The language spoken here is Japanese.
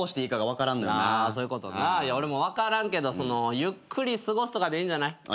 俺も分からんけどゆっくり過ごすとかでいいんじゃない？